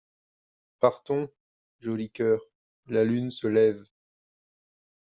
Partons, joli coeur, la lune se lève.